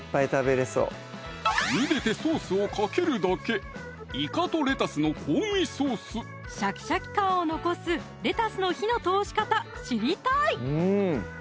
ゆでてソースをかけるだけシャキシャキ感を残すレタスの火の通し方知りたい！